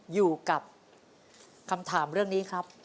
อยู่กับคำถามเรื่องนี้ครับ